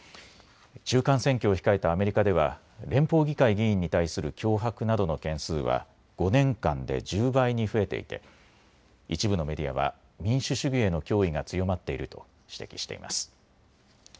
中間選挙を控えたアメリカでは連邦議会議員に対する脅迫などの件数は５年間で１０倍に増えていて一部のメディアは民主主義への脅威が強まっていると指摘しています。